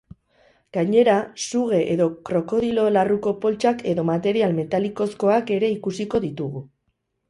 Gainera, suge edo krokodilo larruko poltsak edo material metalikozkoak ere ikusiko ditugu.